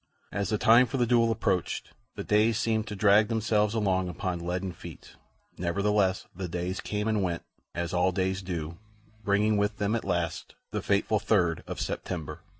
As the time for the duel approached, the days seemed to drag themselves along upon leaden feet; nevertheless, the days came and went, as all days do, bringing with them, at last, the fateful 3d of September.